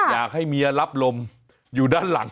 อยากให้เมียรับลมอยู่ด้านหลัง